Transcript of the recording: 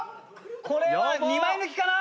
これは２枚抜きかな！？